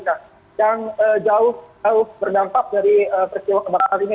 yang jauh berdampak dari peristiwa kebakaran ini